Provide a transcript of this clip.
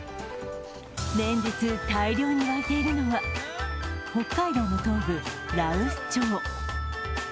連日、大量に沸いているのは北海道の東部、羅臼町。